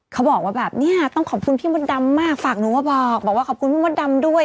เขาบอกว่าแบบเนี่ยต้องขอบคุณพี่มดดำมากฝากหนูมาบอกบอกว่าขอบคุณพี่มดดำด้วย